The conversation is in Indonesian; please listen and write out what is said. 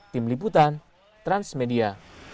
tim liputan transmedia